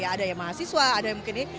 ada yang mahasiswa ada yang mungkin ini